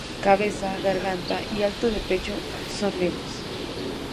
Cabeza, garganta y alto de pecho son negros.